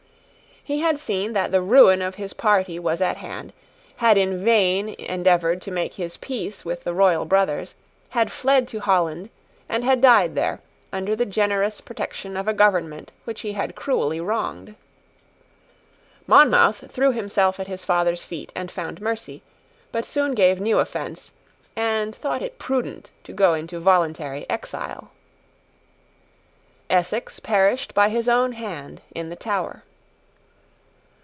He had seen that the ruin of his party was at hand, had in vain endeavoured to make his peace with the royal brothers, had fled to Holland, and had died there, under the generous protection of a government which he had cruelly wronged. Monmouth threw himself at his father's feet and found mercy, but soon gave new offence, and thought it prudent to go into voluntary exile. Essex perished by his own hand in the Tower.